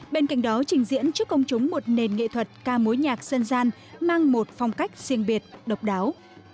bên cạnh đó trình diễn trước công chúng một nền nghệ thuật ca mối nhạc dân gian mang một phong cách riêng biệt độc đáo